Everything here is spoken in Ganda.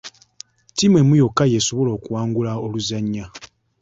Ttiimu emu yokka yesobola okuwangula oluzannya.